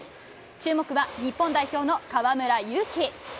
注目は日本代表の河村勇輝。